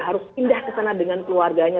harus pindah ke sana dengan keluarganya